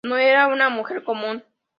No era una mujer común".